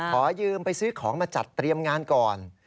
ขอยืมไปซื้อของมาจัดเตรียมงานก่อน